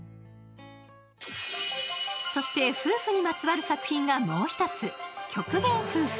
そして夫婦にまつわる作品がもう１つ。